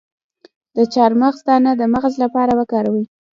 د چارمغز دانه د مغز لپاره وکاروئ